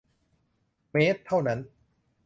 เมตรเท่านั้น